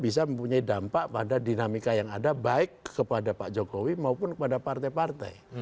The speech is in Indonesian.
bisa mempunyai dampak pada dinamika yang ada baik kepada pak jokowi maupun kepada partai partai